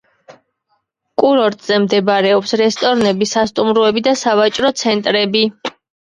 კურორტზე მდებარეობს რესტორნები, სასტუმროები და სავაჭრო ცენტრები.